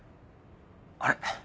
「あれ？